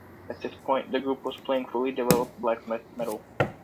At this point, the group was playing fully developed black metal.